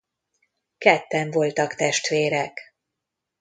Ketten voltak testvérek.